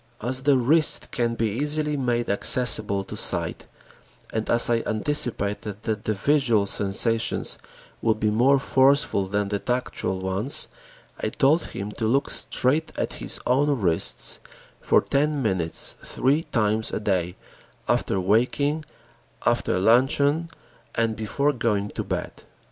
As the wrist can be easily made accessible to sight and as I anticipated that the visual sensations would be more forceful than the tactual ones, I told him to look straight at his own wrists for ten minutes three times a day after waking, after luncheon, and before going to bed.